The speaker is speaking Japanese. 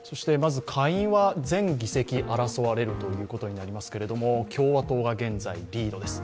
下院は全議席争われるということになりますが共和党が現在リードです。